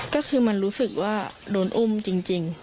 ก็คือมันรู้สึกว่าโดนอุ้มจริง